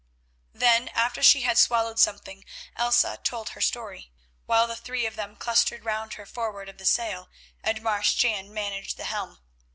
Then, after she had swallowed something, Elsa told her story, while the three of them clustered round her forward of the sail, and Marsh Jan managed the helm.